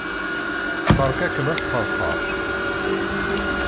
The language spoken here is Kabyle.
Beṛka-kem asxeṛxeṛ.